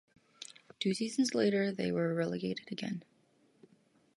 Two seasons later they were relegated again.